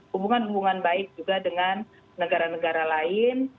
hubungan hubungan baik juga dengan negara negara lain